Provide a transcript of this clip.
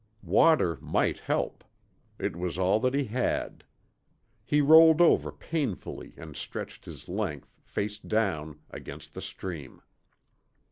Water might help. It was all that he had. He rolled over painfully and stretched his length, face down, against the stream.